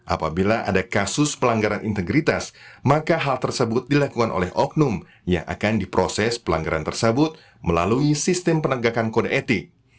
apabila ada kasus pelanggaran integritas maka hal tersebut dilakukan oleh oknum yang akan diproses pelanggaran tersebut melalui sistem penegakan kode etik